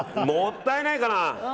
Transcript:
もったいないかな？